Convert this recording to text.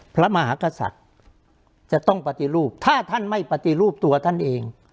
พระมหากษัตริย์จะต้องปฏิรูปถ้าท่านไม่ปฏิรูปตัวท่านเอง